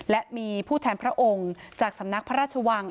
และมีผู้แทนพระองค์จากสำนักพระราชวัง